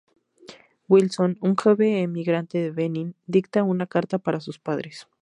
Wilson, un joven emigrante de Benín, dicta una carta para sus padres.